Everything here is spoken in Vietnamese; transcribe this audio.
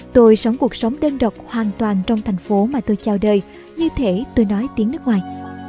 tôi sống cuộc sống đơn độc hoàn toàn trong thành phố mà tôi chào đời như thế tôi nói tiếng nước ngoài